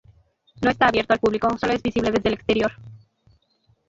No está abierto al público, sólo es visible desde el exterior.